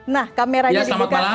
nah kameranya di buka